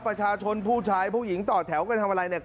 ประชาชนผู้ชายผู้หญิงต่อแถวกันทำอะไรเนี่ย